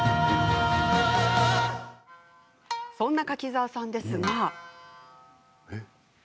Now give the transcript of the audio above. そんな柿澤さんですが。